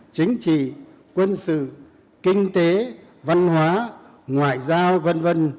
chính trị quân sự kinh tế văn hóa ngoại giao v v